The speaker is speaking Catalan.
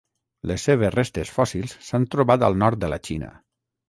Les seves restes fòssils s'han trobat al nord de la Xina.